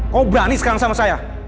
kau berani sekarang sama saya